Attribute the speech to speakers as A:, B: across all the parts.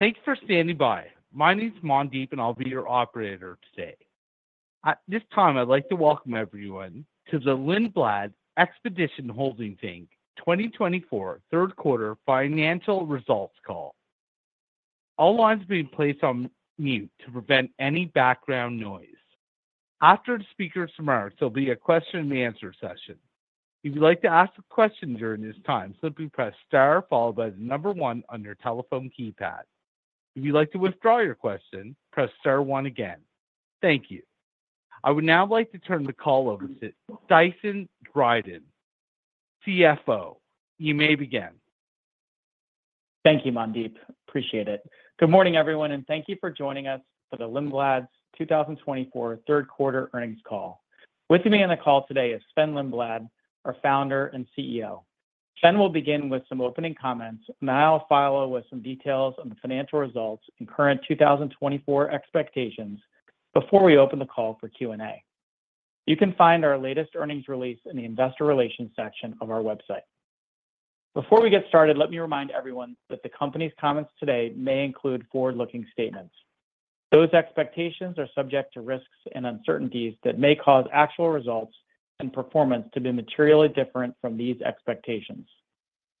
A: Thanks for standing by. My name's Mondip, and I'll be your operator today. At this time, I'd like to welcome everyone to the Lindblad Expeditions Holdings Inc. 2024 Q3 Financial Results Call. All lines are being placed on mute to prevent any background noise. After the speaker starts, there'll be a Q&A session. If you'd like to ask a question during this time, simply press star followed by the number one on your telephone keypad. If you'd like to withdraw your question, press star one again. Thank you. I would now like to turn the call over to Dyson Dryden, CFO. You may begin.
B: Thank you, Mondip. Appreciate it. Good morning, everyone, and thank you for joining us for the Lindblad's 2024 Q3 Earnings Call. With me on the call today is Sven Lindblad, our founder and CEO. Sven will begin with some opening comments, and I'll follow with some details on the financial results and current 2024 expectations before we open the call for Q&A. You can find our latest earnings release in the investor relations section of our website. Before we get started, let me remind everyone that the company's comments today may include forward-looking statements. Those expectations are subject to risks and uncertainties that may cause actual results and performance to be materially different from these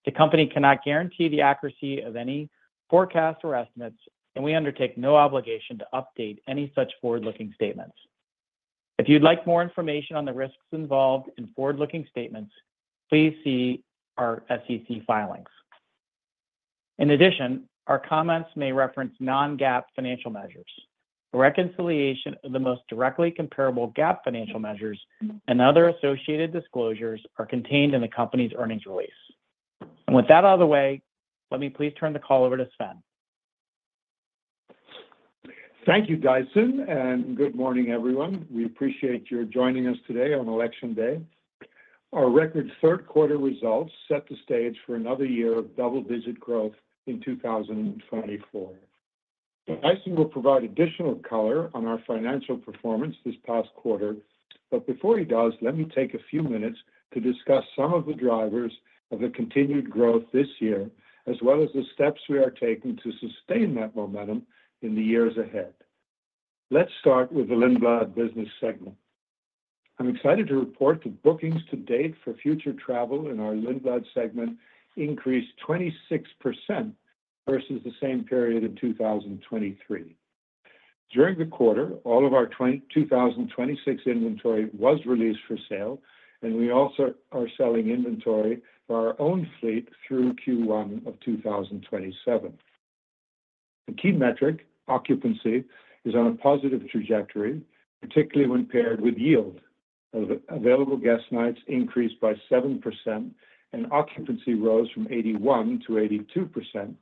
B: expectations. The company cannot guarantee the accuracy of any forecast or estimates, and we undertake no obligation to update any such forward-looking statements. If you'd like more information on the risks involved in forward-looking statements, please see our SEC filings. In addition, our comments may reference non-GAAP financial measures. The reconciliation of the most directly comparable GAAP financial measures and other associated disclosures are contained in the company's earnings release. And with that out of the way, let me please turn the call over to Sven.
A: Thank you, Dyson, and good morning, everyone. We appreciate your joining us today on Election Day. Our record Q3 results set the stage for another year of double-digit growth in 2024. Dyson will provide additional color on our financial performance this past quarter, but before he does, let me take a few minutes to discuss some of the drivers of the continued growth this year, as well as the steps we are taking to sustain that momentum in the years ahead. Let's start with the Lindblad business segment. I'm excited to report that bookings to date for future travel in our Lindblad segment increased 26% versus the same period in 2023. During the quarter, all of our 2026 inventory was released for sale, and we also are selling inventory for our own fleet through Q1 of 2027. The key metric, occupancy, is on a positive trajectory, particularly when paired with yield per available guest nights increased by 7%, and occupancy rose from 81% to 82%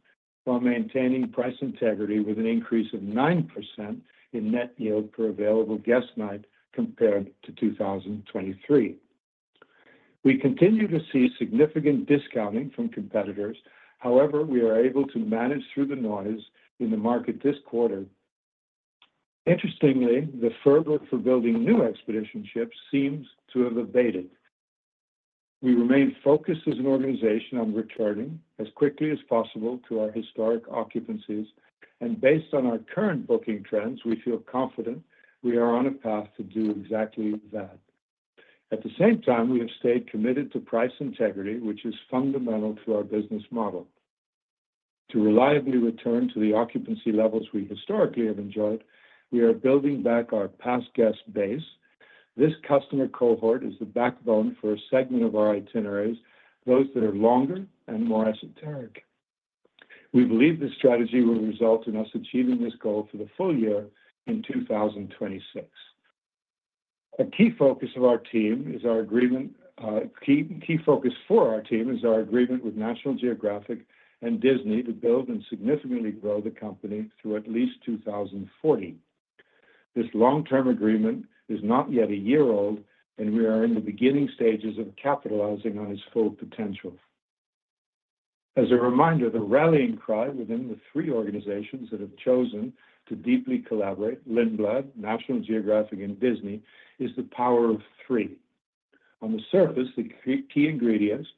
A: while maintaining price integrity with an increase of 9% in net yield per available guest night compared to 2023. We continue to see significant discounting from competitors. However, we are able to manage through the noise in the market this quarter. Interestingly, the fervor for building new expedition ships seems to have abated. We remain focused as an organization on returning as quickly as possible to our historic occupancies, and based on our current booking trends, we feel confident we are on a path to do exactly that. At the same time, we have stayed committed to price integrity, which is fundamental to our business model. To reliably return to the occupancy levels we historically have enjoyed, we are building back our past guest base. This customer cohort is the backbone for a segment of our itineraries, those that are longer and more esoteric. We believe this strategy will result in us achieving this goal for the full year in 2026. A key focus for our team is our agreement with National Geographic and Disney to build and significantly grow the company through at least 2040. This long-term agreement is not yet a year old, and we are in the beginning stages of capitalizing on its full potential. As a reminder, the rallying cry within the three organizations that have chosen to deeply collaborate, Lindblad, National Geographic, and Disney, is the power of three. On the surface, the key ingredients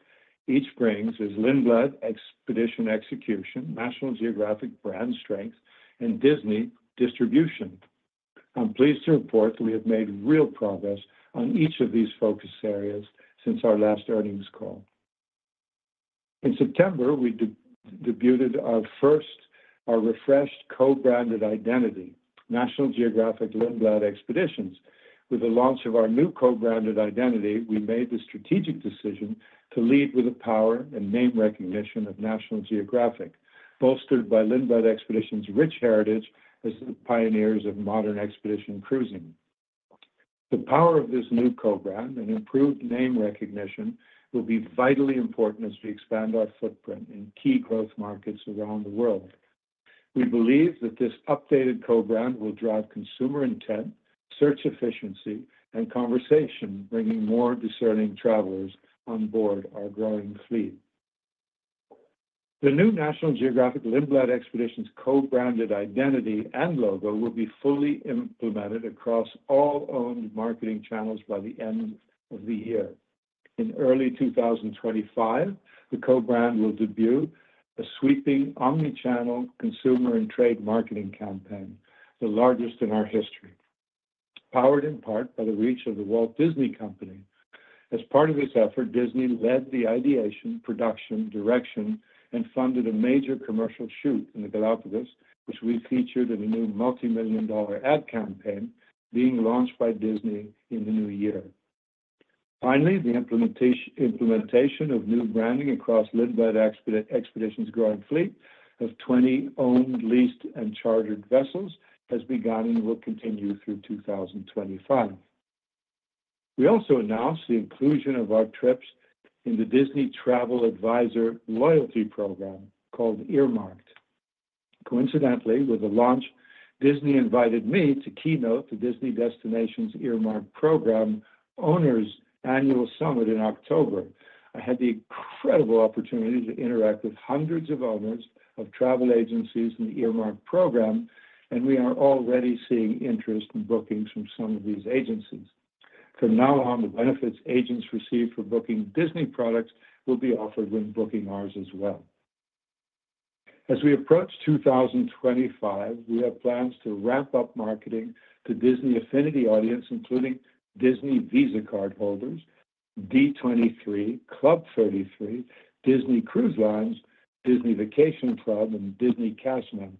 A: each brings are Lindblad expedition execution, National Geographic brand strength, and Disney distribution. I'm pleased to report that we have made real progress on each of these focus areas since our last earnings call. In September, we debuted our refreshed co-branded identity, National Geographic Lindblad Expeditions. With the launch of our new co-branded identity, we made the strategic decision to lead with the power and name recognition of National Geographic, bolstered by Lindblad Expeditions' rich heritage as the pioneers of modern expedition cruising. The power of this new co-brand and improved name recognition will be vitally important as we expand our footprint in key growth markets around the world. We believe that this updated co-brand will drive consumer intent, search efficiency, and conversation, bringing more discerning travelers on board our growing fleet. The new National Geographic Lindblad Expeditions' co-branded identity and logo will be fully implemented across all owned marketing channels by the end of the year. In early 2025, the co-brand will debut a sweeping omnichannel consumer and trade marketing campaign, the largest in our history, powered in part by the reach of the Walt Disney Company. As part of this effort, Disney led the ideation, production, direction, and funded a major commercial shoot in the Galápagos, which we featured in a new multi-million-dollar ad campaign being launched by Disney in the new year. Finally, the implementation of new branding across Lindblad Expeditions' growing fleet of 20 owned, leased, and chartered vessels has begun and will continue through 2025. We also announced the inclusion of our trips in the Disney Travel Advisor loyalty program called Earmarked. Coincidentally, with the launch, Disney invited me to keynote the Disney Destinations Earmarked Program owners' annual summit in October. I had the incredible opportunity to interact with hundreds of owners of travel agencies in the Earmarked program, and we are already seeing interest in bookings from some of these agencies. From now on, the benefits agents receive for booking Disney products will be offered when booking ours as well. As we approach 2025, we have plans to ramp up marketing to Disney affinity audience, including Disney Visa Card holders, D23, Club 33, Disney Cruise Line, Disney Vacation Club, and Disney Cast Members.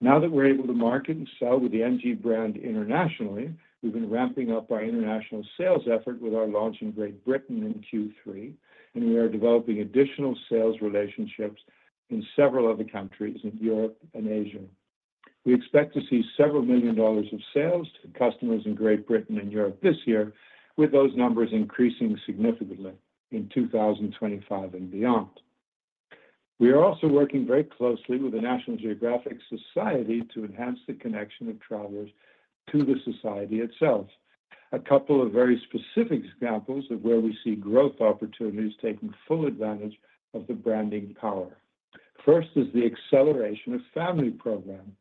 A: Now that we're able to market and sell with the NG brand internationally, we've been ramping up our international sales effort with our launch in Great Britain in Q3, and we are developing additional sales relationships in several other countries in Europe and Asia. We expect to see several million dollars of sales to customers in Great Britain and Europe this year, with those numbers increasing significantly in 2025 and beyond. We are also working very closely with the National Geographic Society to enhance the connection of travelers to the society itself. A couple of very specific examples of where we see growth opportunities taking full advantage of the branding power. First is the acceleration of family program.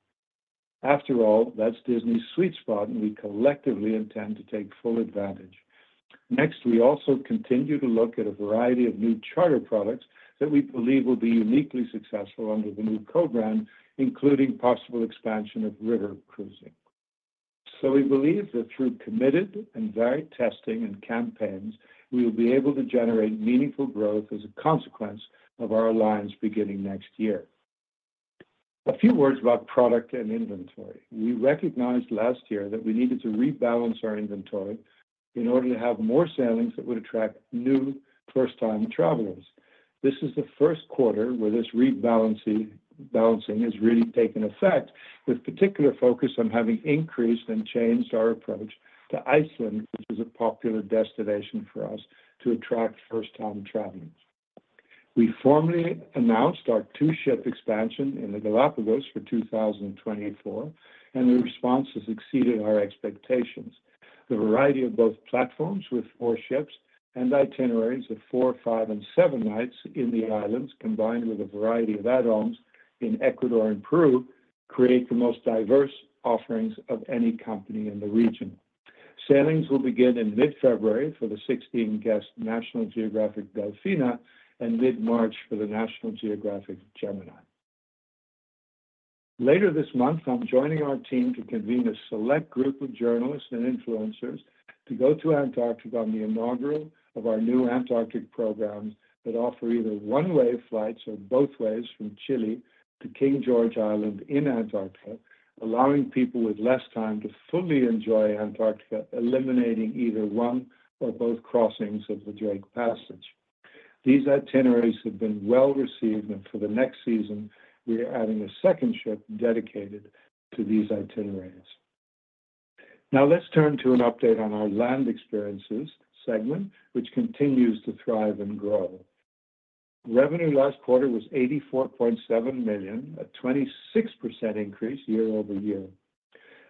A: After all, that's Disney's sweet spot, and we collectively intend to take full advantage. Next, we also continue to look at a variety of new charter products that we believe will be uniquely successful under the new co-brand, including possible expansion of river cruising. So we believe that through committed and varied testing and campaigns, we will be able to generate meaningful growth as a consequence of our alliance beginning next year. A few words about product and inventory. We recognized last year that we needed to rebalance our inventory in order to have more sailings that would attract new first-time travelers. This is the Q1 where this rebalancing has really taken effect, with particular focus on having increased and changed our approach to Iceland, which is a popular destination for us to attract first-time travelers. We formally announced our two-ship expansion in the Galápagos for 2024, and the response has exceeded our expectations. The variety of both platforms with four ships and itineraries of four, five, and seven nights in the islands, combined with a variety of add-ons in Ecuador and Peru, create the most diverse offerings of any company in the region. Sailings will begin in mid-February for the 16-guest National Geographic Delfina and mid-March for the National Geographic Gemini. Later this month, I'm joining our team to convene a select group of journalists and influencers to go to Antarctica on the inaugural of our new Antarctic programs that offer either one-way flights or both ways from Chile to King George Island in Antarctica, allowing people with less time to fully enjoy Antarctica, eliminating either one or both crossings of the Drake Passage. These itineraries have been well received, and for the next season, we are adding a second ship dedicated to these itineraries. Now let's turn to an update on our Land Experiences segment, which continues to thrive and grow. Revenue last quarter was $84.7 million, a 26% increase year over year.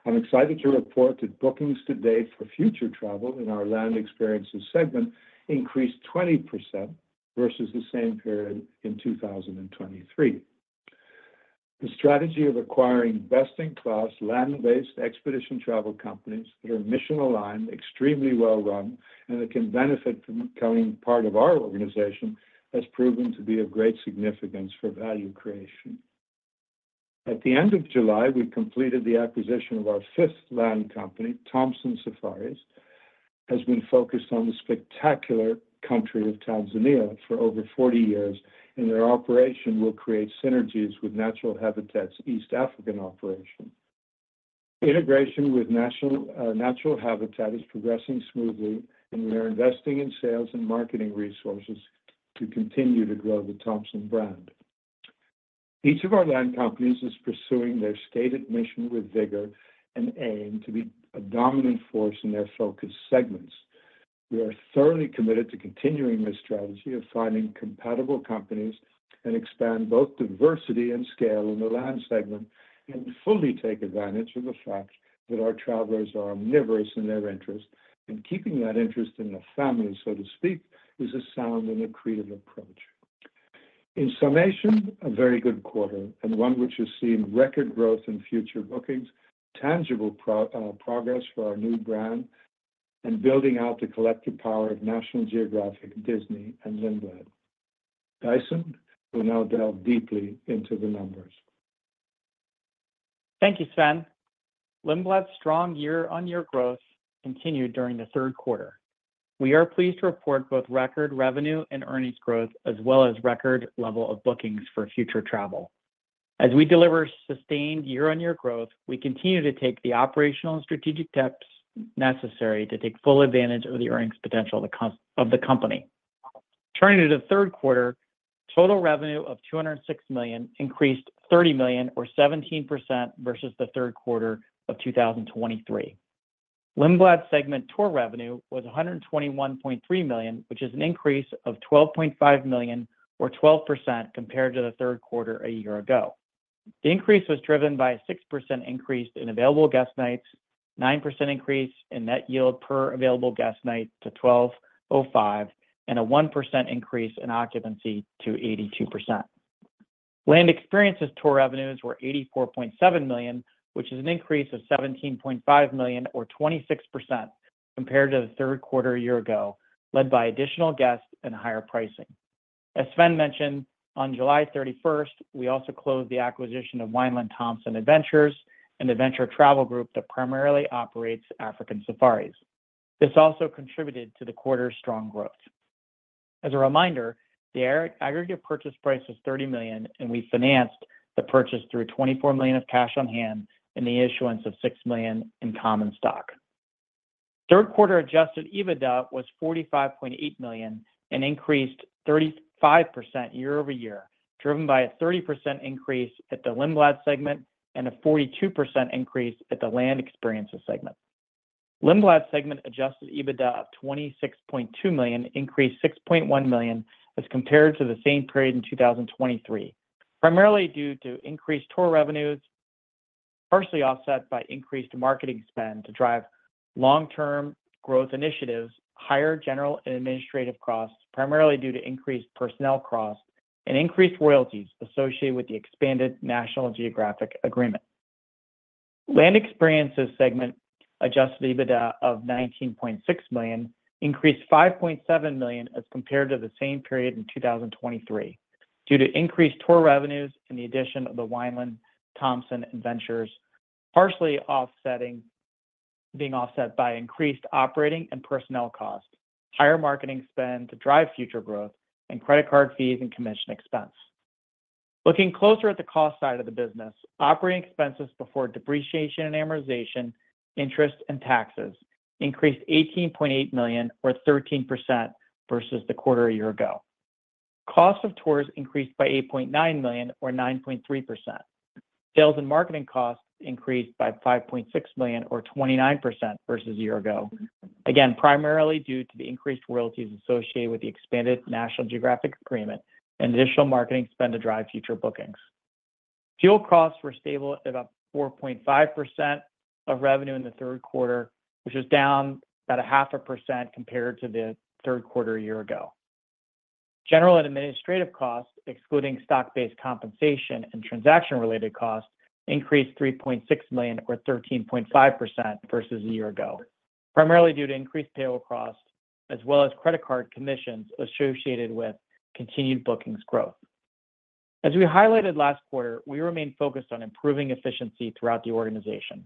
A: I'm excited to report that bookings to date for future travel in our Land Experiences segment increased 20% versus the same period in 2023. The strategy of acquiring best-in-class land-based expedition travel companies that are mission-aligned, extremely well-run, and that can benefit from becoming part of our organization has proven to be of great significance for value creation. At the end of July, we completed the acquisition of our fifth land company, Thomson Safaris, has been focused on the spectacular country of Tanzania for over 40 years, and their operation will create synergies with Natural Habitat's East African operation. Integration with Natural Habitat is progressing smoothly, and we are investing in sales and marketing resources to continue to grow the Thomson brand. Each of our land companies is pursuing their stated mission with vigor and aim to be a dominant force in their focus segments. We are thoroughly committed to continuing this strategy of finding compatible companies and expand both diversity and scale in the land segment and fully take advantage of the fact that our travelers are omnivorous in their interests, and keeping that interest in the family, so to speak, is a sound and a creative approach. In summation, a very good quarter and one which has seen record growth in future bookings, tangible progress for our new brand, and building out the collective power of National Geographic, Disney, and Lindblad. Dyson, we'll now delve deeply into the numbers.
B: Thank you, Sven. Lindblad's strong year-on-year growth continued during the Q3. We are pleased to report both record revenue and earnings growth, as well as record level of bookings for future travel. As we deliver sustained year-on-year growth, we continue to take the operational and strategic steps necessary to take full advantage of the earnings potential of the company. Turning to the Q3, total revenue of $206 million increased $30 million, or 17%, versus the Q3 of 2023. Lindblad segment tour revenue was $121.3 million, which is an increase of $12.5 million, or 12%, compared to the Q3 a year ago. The increase was driven by a 6% increase in available guest nights, a 9% increase in net yield per available guest night to $1,205, and a 1% increase in occupancy to 82%. Land Experiences tour revenues were $84.7 million, which is an increase of $17.5 million, or 26%, compared to the Q3 a year ago, led by additional guests and higher pricing. As Sven mentioned, on July 31st, we also closed the acquisition of Wineland-Thomson Adventures and adventure travel group that primarily operates African safaris. This also contributed to the quarter's strong growth. As a reminder, the aggregate purchase price was $30 million, and we financed the purchase through $24 million of cash on hand and the issuance of $6 million in common stock. Q3 Adjusted EBITDA was $45.8 million and increased 35% year over year, driven by a 30% increase at the Lindblad segment and a 42% increase at the Land Experiences segment. Lindblad segment adjusted EBITDA of $26.2 million increased $6.1 million as compared to the same period in 2023, primarily due to increased tour revenues, partially offset by increased marketing spend to drive long-term growth initiatives, higher general and administrative costs, primarily due to increased personnel costs, and increased royalties associated with the expanded National Geographic agreement. Land Experiences segment adjusted EBITDA of $19.6 million increased $5.7 million as compared to the same period in 2023 due to increased tour revenues and the addition of the Wineland-Thomson Adventures, partially offset by increased operating and personnel costs, higher marketing spend to drive future growth, and credit card fees and commission expense. Looking closer at the cost side of the business, operating expenses before depreciation and amortization, interest, and taxes increased $18.8 million, or 13%, versus the quarter a year ago. Cost of tours increased by $8.9 million, or 9.3%. Sales and marketing costs increased by $5.6 million, or 29%, versus a year ago, again, primarily due to the increased royalties associated with the expanded National Geographic agreement and additional marketing spend to drive future bookings. Fuel costs were stable at about 4.5% of revenue in the Q3, which was down about 0.5% compared to the Q3 a year ago. General and administrative costs, excluding stock-based compensation and transaction-related costs, increased $3.6 million, or 13.5%, versus a year ago, primarily due to increased payroll costs, as well as credit card commissions associated with continued bookings growth. As we highlighted last quarter, we remain focused on improving efficiency throughout the organization.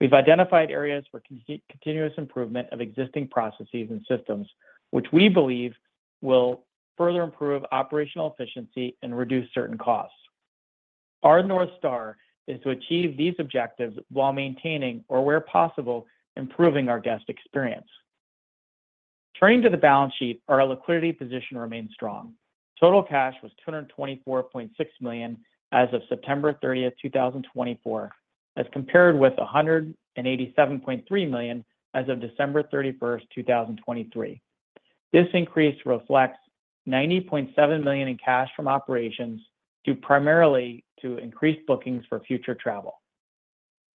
B: We've identified areas for continuous improvement of existing processes and systems, which we believe will further improve operational efficiency and reduce certain costs. Our North Star is to achieve these objectives while maintaining, or where possible, improving our guest experience. Turning to the balance sheet, our liquidity position remains strong. Total cash was $224.6 million as of September 30th, 2024, as compared with $187.3 million as of December 31st, 2023. This increase reflects $90.7 million in cash from operations due primarily to increased bookings for future travel.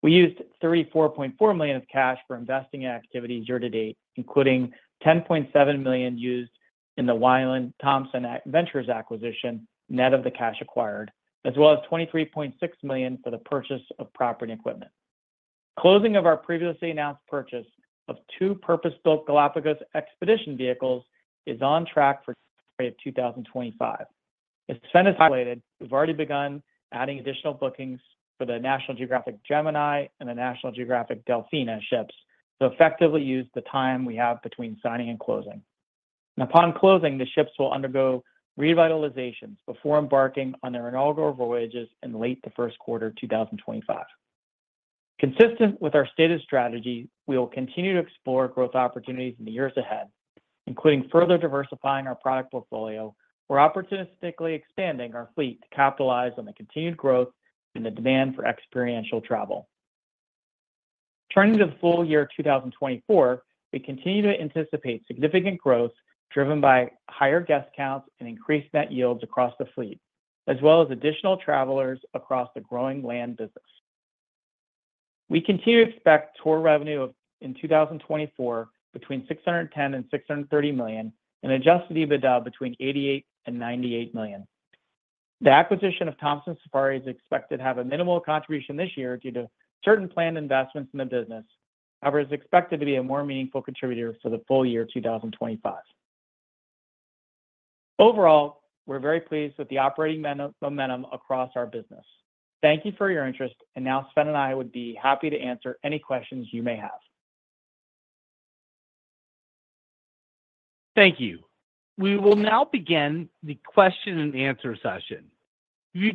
B: We used $34.4 million of cash for investing activities year to date, including $10.7 million used in the Wineland-Thomson Adventures acquisition net of the cash acquired, as well as $23.6 million for the purchase of property and equipment. Closing of our previously announced purchase of two purpose-built Galápagos expedition vehicles is on track for February of 2025. As Sven has highlighted, we've already begun adding additional bookings for the National Geographic Gemini and the National Geographic Delfina ships to effectively use the time we have between signing and closing, and upon closing, the ships will undergo revitalizations before embarking on their inaugural voyages in late in the Q1 of 2025. Consistent with our stated strategy, we will continue to explore growth opportunities in the years ahead, including further diversifying our product portfolio or opportunistically expanding our fleet to capitalize on the continued growth and the demand for experiential travel. Turning to the full year 2024, we continue to anticipate significant growth driven by higher guest counts and increased net yields across the fleet, as well as additional travelers across the growing land business. We continue to expect tour revenue in 2024 between $610 million and $630 million and Adjusted EBITDA between $88 million and $98 million. The acquisition of Thomson Safaris is expected to have a minimal contribution this year due to certain planned investments in the business. However, it's expected to be a more meaningful contributor for the full year 2025. Overall, we're very pleased with the operating momentum across our business. Thank you for your interest, and now Sven and I would be happy to answer any questions you may have.
C: Thank you. We will now begin the Q&A session. If you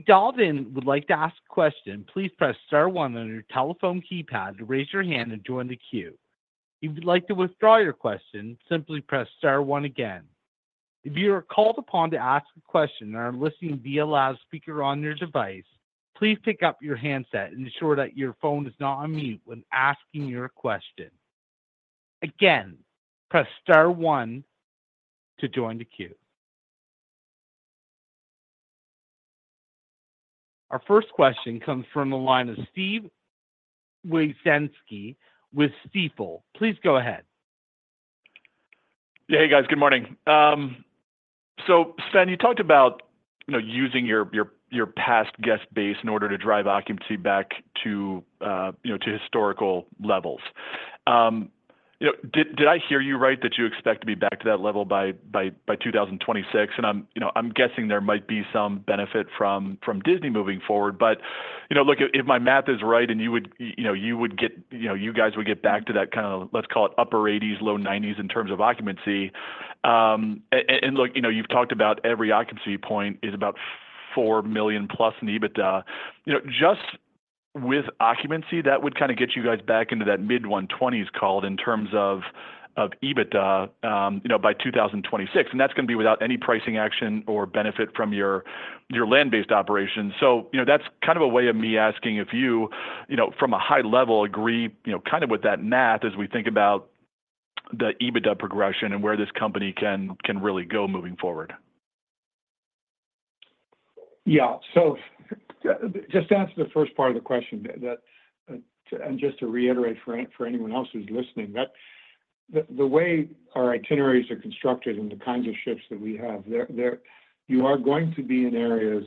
C: would like to ask a question, please press star one on your telephone keypad to raise your hand and join the queue. If you'd like to withdraw your question, simply press star one again. If you are called upon to ask a question and are listening via loudspeaker on your device, please pick up your handset and ensure that your phone is not on mute when asking your question. Again, press star one to join the queue. Our first question comes from the line of Steve Wieczynski with Stifel. Please go ahead.
D: Hey, guys. Good morning. So Sven, you talked about using your past guest base in order to drive occupancy back to historical levels. Did I hear you right that you expect to be back to that level by 2026? And I'm guessing there might be some benefit from Disney moving forward. But look, if my math is right and you guys would get back to that kind of, let's call it, upper 80s-low 90s% in terms of occupancy. And look, you've talked about every occupancy point is about $4 million plus in EBITDA. Just with occupancy, that would kind of get you guys back into that mid-$120s million call in terms of EBITDA by 2026. And that's going to be without any pricing action or benefit from your land-based operations. So that's kind of a way of me asking if you, from a high level, agree kind of with that math as we think about the EBITDA progression and where this company can really go moving forward.
A: So just to answer the first part of the question, and just to reiterate for anyone else who's listening, the way our itineraries are constructed and the kinds of ships that we have, you are going to be in areas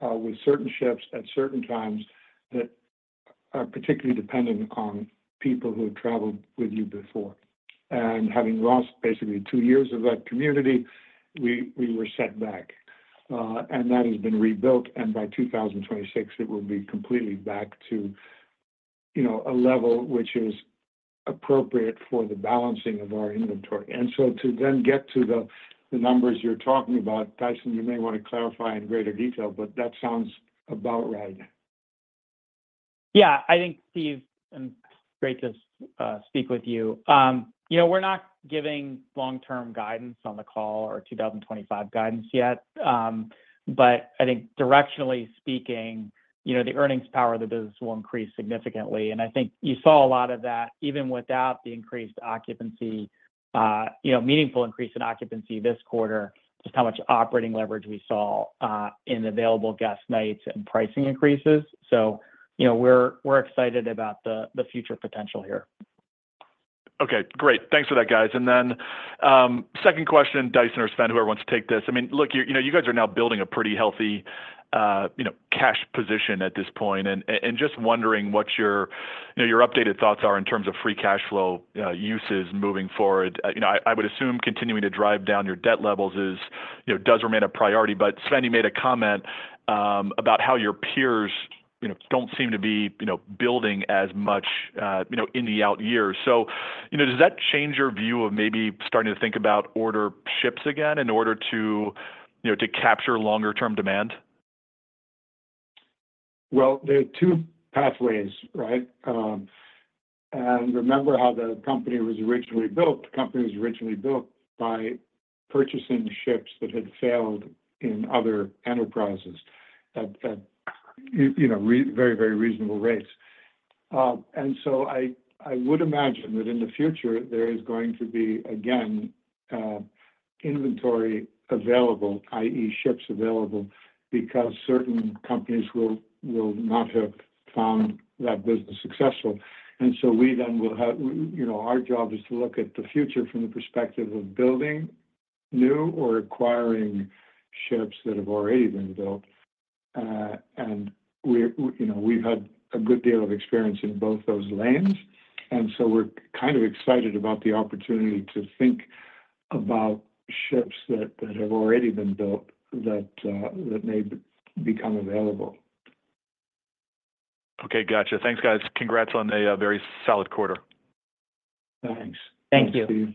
A: with certain ships at certain times that are particularly dependent on people who have traveled with you before. And having lost basically two years of that community, we were set back. And that has been rebuilt. And by 2026, it will be completely back to a level which is appropriate for the balancing of our inventory. And so to then get to the numbers you're talking about, Dyson, you may want to clarify in greater detail, but that sounds about right.
B: I think, Steve, it's great to speak with you. We're not giving long-term guidance on the call or 2025 guidance yet. But I think, directionally speaking, the earnings power of the business will increase significantly. And I think you saw a lot of that even without the increased occupancy, meaningful increase in occupancy this quarter, just how much operating leverage we saw in available guest nights and pricing increases. So we're excited about the future potential here.
D: Okay. Great. Thanks for that, guys. And then second question, Dyson or Sven, whoever wants to take this. I mean, look, you guys are now building a pretty healthy cash position at this point. And just wondering what your updated thoughts are in terms of free cash flow uses moving forward. I would assume continuing to drive down your debt levels does remain a priority. But Sven you made a comment about how your peers don't seem to be building as much in the out year. So does that change your view of maybe starting to think about order ships again in order to capture longer-term demand?
A: There are two pathways, right? And remember how the company was originally built. The company was originally built by purchasing ships that had failed in other enterprises at very, very reasonable rates. And so I would imagine that in the future, there is going to be again inventory available, i.e., ships available, because certain companies will not have found that business successful. And so we then will have our job is to look at the future from the perspective of building new or acquiring ships that have already been built. And we've had a good deal of experience in both those lanes. And so we're kind of excited about the opportunity to think about ships that have already been built that may become available.
D: Okay. Gotcha. Thanks, guys. Congrats on a very solid quarter. Thanks.
B: Thank you.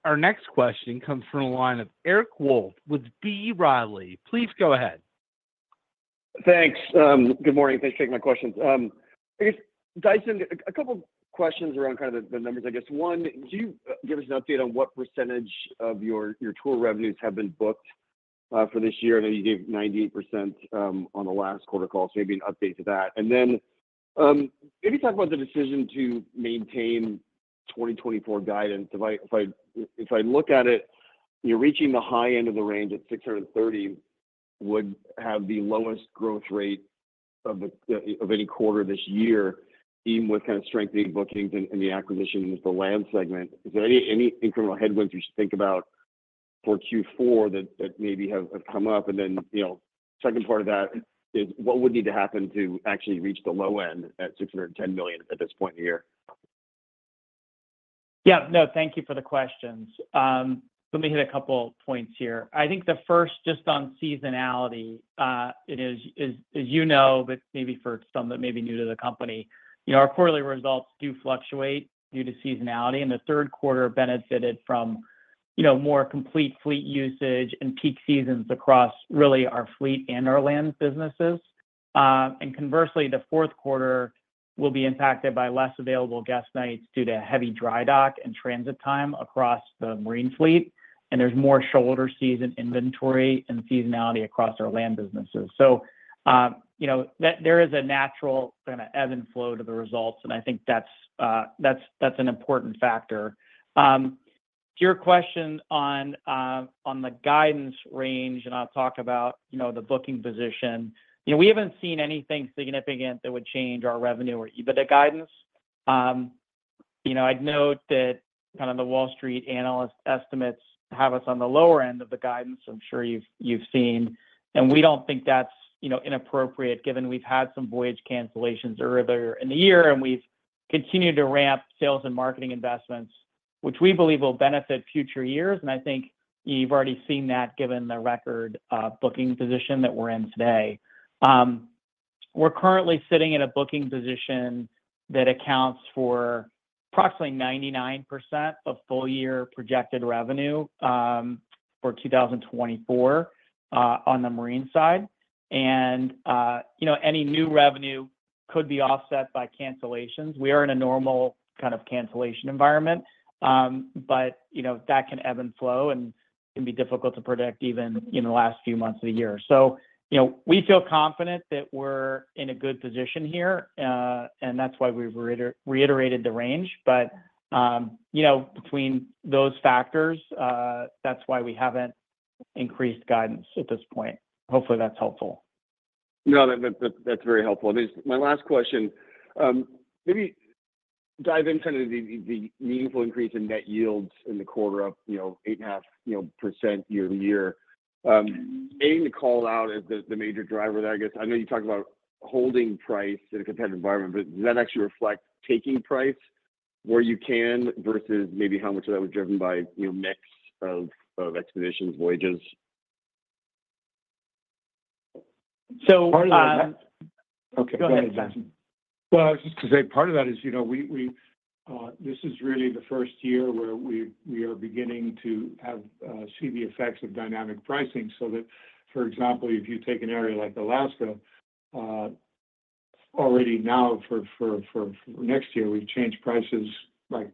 A: Thanks, Steve.
C: Our next question comes from the line of Eric Wold with B. Riley. Please go ahead.
E: Thanks. Good morning. Thanks for taking my questions. Dyson, a couple of questions around kind of the numbers, I guess. One, do you give us an update on what percentage of your tour revenues have been booked for this year? I know you gave 98% on the last quarter call, so maybe an update to that. And then maybe talk about the decision to maintain 2024 guidance. If I look at it, reaching the high end of the range at $630 million would have the lowest growth rate of any quarter this year, even with kind of strengthening bookings and the acquisition of the land segment. Is there any incremental headwinds we should think about for Q4 that maybe have come up? And then second part of that is what would need to happen to actually reach the low end at $610 million at this point in the year?
B: No, thank you for the questions. Let me hit a couple of points here. I think the first, just on seasonality, as you know, but maybe for some that may be new to the company, our quarterly results do fluctuate due to seasonality. And the Q3 benefited from more complete fleet usage and peak seasons across really our fleet and our land businesses. And conversely, the Q4 will be impacted by less available guest nights due to heavy dry dock and transit time across the marine fleet. And there's more shoulder season inventory and seasonality across our land businesses. So there is a natural kind of ebb and flow to the results, and I think that's an important factor. To your question on the guidance range, and I'll talk about the booking position, we haven't seen anything significant that would change our revenue or EBITDA guidance. I'd note that kind of the Wall Street analyst estimates have us on the lower end of the guidance, I'm sure you've seen, and we don't think that's inappropriate given we've had some voyage cancellations earlier in the year, and we've continued to ramp sales and marketing investments, which we believe will benefit future years, and I think you've already seen that given the record booking position that we're in today. We're currently sitting in a booking position that accounts for approximately 99% of full-year projected revenue for 2024 on the marine side, and any new revenue could be offset by cancellations. We are in a normal kind of cancellation environment, but that can ebb and flow and can be difficult to predict even in the last few months of the year, so we feel confident that we're in a good position here, and that's why we've reiterated the range. But between those factors, that's why we haven't increased guidance at this point. Hopefully, that's helpful.
E: No, that's very helpful. My last question, maybe dive in kind of the meaningful increase in net yields in the quarter of 8.5% year to year. Aim to call out as the major driver there. I guess I know you talked about holding price in a competitive environment, but does that actually reflect taking price where you can versus maybe how much of that was driven by mix of expeditions, voyages?
B: So part of that.
A: Okay. Go ahead, Dyson. I was just going to say part of that is this is really the first year where we are beginning to see the effects of Dynamic pricing. So that, for example, if you take an area like Alaska, already now for next year, we've changed prices like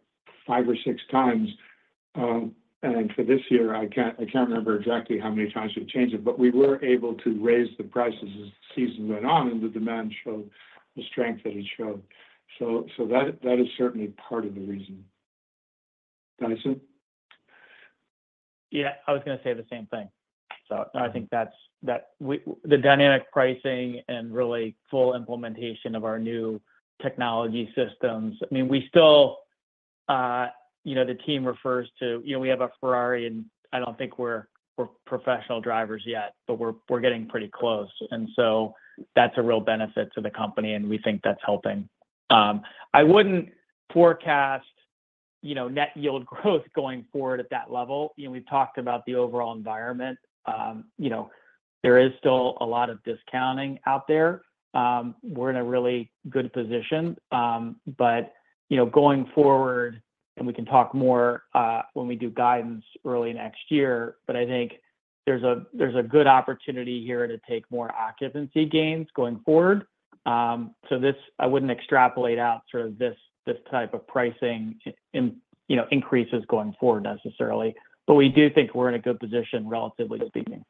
A: five or six times. And for this year, I can't remember exactly how many times we've changed it, but we were able to raise the prices as the season went on, and the demand showed the strength that it showed. So that is certainly part of the reason. Dyson? I was going to say the same thing. So I think that the Dynamic Pricing and really full implementation of our new technology systems, I mean, we still, the team refers to, we have a Ferrari, and I don't think we're professional drivers yet, but we're getting pretty close. And so that's a real benefit to the company, and we think that's helping. I wouldn't forecast net yield growth going forward at that level. We've talked about the overall environment. There is still a lot of discounting out there. We're in a really good position. But going forward, and we can talk more when we do guidance early next year, but I think there's a good opportunity here to take more occupancy gains going forward. So I wouldn't extrapolate out sort of this type of pricing increases going forward necessarily. But we do think we're in a good position, relatively speaking.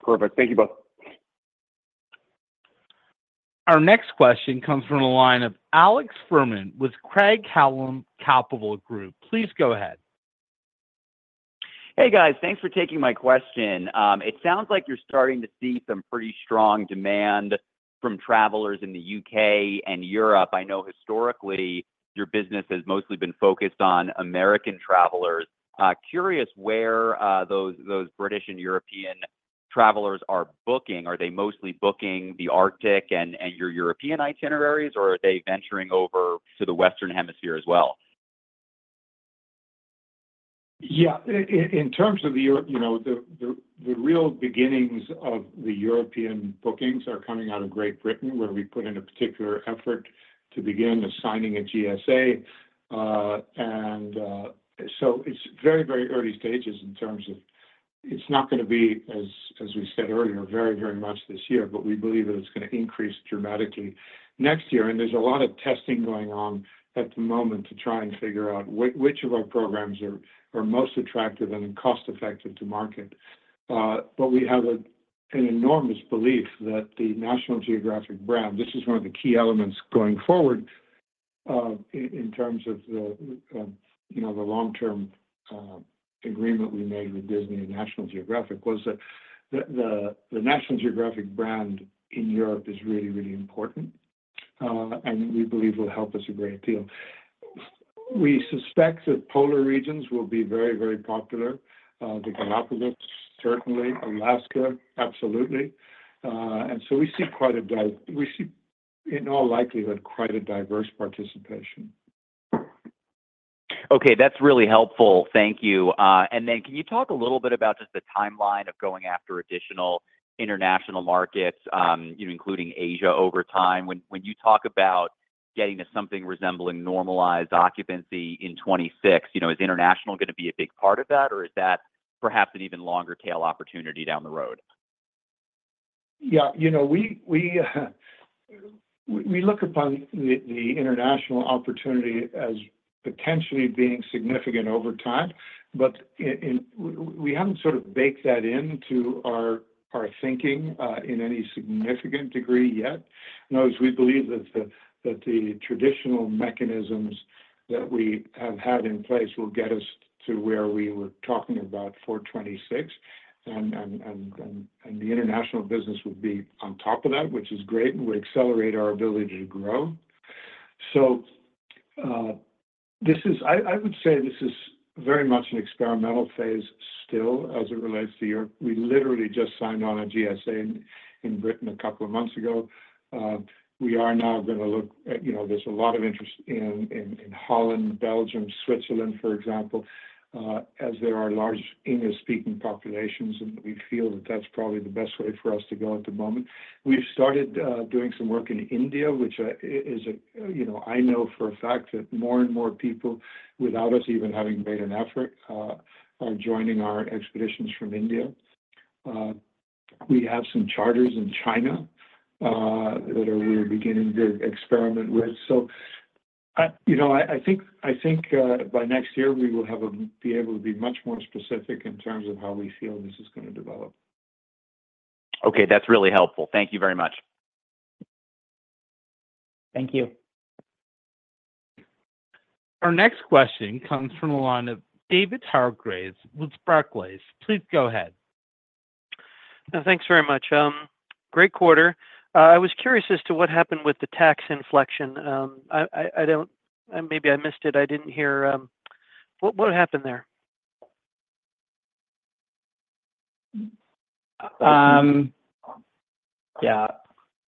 E: Perfect. Thank you both.
C: Our next question comes from the line of Alex Fuhrman with Craig-Hallum Capital Group. Please go ahead.
F: Hey, guys. Thanks for taking my question. It sounds like you're starting to see some pretty strong demand from travelers in the U.K. and Europe. I know historically, your business has mostly been focused on American travelers. Curious where those British and European travelers are booking. Are they mostly booking the Arctic and your European itineraries, or are they venturing over to the Western Hemisphere as well? In terms of the real beginnings of the European bookings are coming out of Great Britain, where we put in a particular effort to begin assigning a GSA. And so it's very, very early stages in terms of it's not going to be, as we said earlier, very, very much this year, but we believe that it's going to increase dramatically next year. And there's a lot of testing going on at the moment to try and figure out which of our programs are most attractive and cost-effective to market. But we have an enormous belief that the National Geographic brand, this is one of the key elements going forward in terms of the long-term agreement we made with Disney and National Geographic, was that the National Geographic brand in Europe is really, really important, and we believe will help us a great deal.
A: We suspect that polar regions will be very, very popular. The Galápagos, certainly. Alaska, absolutely, and so we see, in all likelihood, quite a diverse participation.
F: Okay. That's really helpful. Thank you. And then can you talk a little bit about just the timeline of going after additional international markets, including Asia, over time? When you talk about getting to something resembling normalized occupancy in 2026, is international going to be a big part of that, or is that perhaps an even longer-tail opportunity down the road?
A: We look upon the international opportunity as potentially being significant over time, but we haven't sort of baked that into our thinking in any significant degree yet. No, we believe that the traditional mechanisms that we have had in place will get us to where we were talking about for 2026. And the international business would be on top of that, which is great, and would accelerate our ability to grow. So I would say this is very much an experimental phase still as it relates to Europe. We literally just signed on a GSA in Britain a couple of months ago. We are now going to look at. There's a lot of interest in Holland, Belgium, Switzerland, for example, as there are large English-speaking populations, and we feel that that's probably the best way for us to go at the moment. We've started doing some work in India, which is—I know for a fact that more and more people, without us even having made an effort, are joining our expeditions from India. We have some charters in China that we're beginning to experiment with. So I think by next year, we will be able to be much more specific in terms of how we feel this is going to develop.
F: Okay. That's really helpful. Thank you very much.
B: Thank you.
C: Our next question comes from the line of David Hargreaves with Barclays. Please go ahead.
G: Thanks very much. Great quarter. I was curious as to what happened with the tax inflection. Maybe I missed it. I didn't hear what happened there.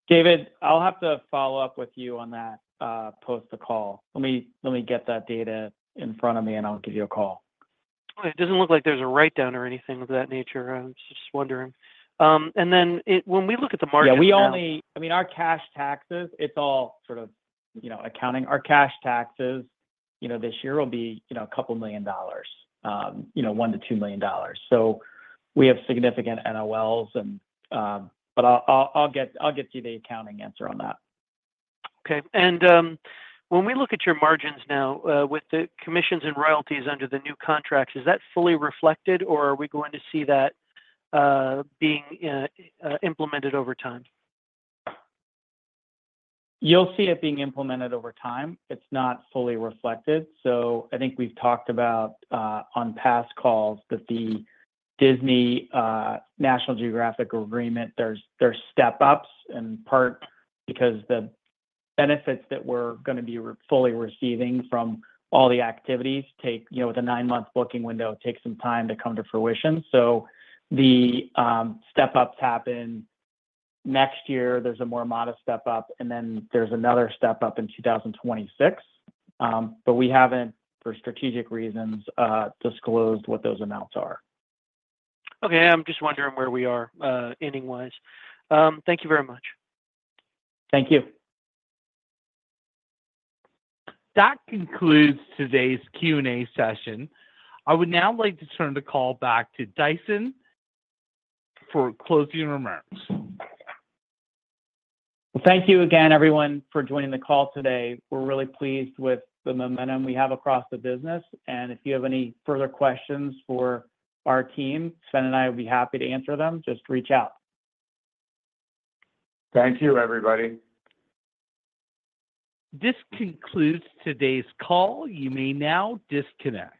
B: David, I'll have to follow up with you on that post the call. Let me get that data in front of me, and I'll give you a call.
G: It doesn't look like there's a write-down or anything of that nature. I was just wondering, and then when we look at the market.
B: I mean, our cash taxes, it's all sort of accounting. Our cash taxes this year will be a couple of million dollars, $1 million-$2 million. So we have significant NOLs, but I'll get you the accounting answer on that.
G: Okay. And when we look at your margins now with the commissions and royalties under the new contracts, is that fully reflected, or are we going to see that being implemented over time?
B: You'll see it being implemented over time. It's not fully reflected. So I think we've talked about, on past calls, that the Disney National Geographic agreement, there's step-ups in part because the benefits that we're going to be fully receiving from all the activities take, with a nine-month booking window, it takes some time to come to fruition. So the step-ups happen next year. There's a more modest step-up, and then there's another step-up in 2026. But we haven't, for strategic reasons, disclosed what those amounts are.
G: Okay. I'm just wondering where we are ending-wise. Thank you very much.
B: Thank you.
C: That concludes today's Q&A session. I would now like to turn the call back to Dyson for closing remarks.
B: Thank you again, everyone, for joining the call today. We're really pleased with the momentum we have across the business. If you have any further questions for our team, Sven and I would be happy to answer them. Just reach out.
A: Thank you, everybody. This concludes today's call. You may now disconnect.